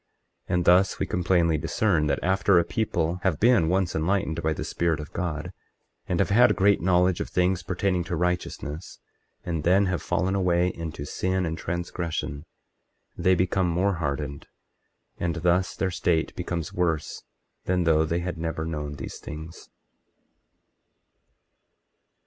24:30 And thus we can plainly discern, that after a people have been once enlightened by the Spirit of God, and have had great knowledge of things pertaining to righteousness, and then have fallen away into sin and transgression, they become more hardened, and thus their state becomes worse than though they had never known these things.